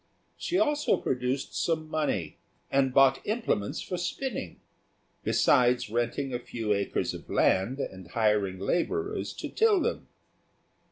She also produced some money, and bought implements for spinning, besides renting a few acres of land and hiring labourers to till them.